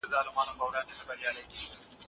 د بریا خوند ډیر خوږ وي.